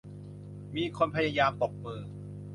มีคนพยายามตบมือ